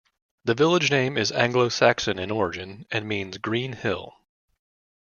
The village name is Anglo Saxon in origin, and means 'green hill'.